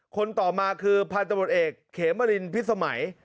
คนต่อมาคือพันธบทเอกเขมรินพิษสมัย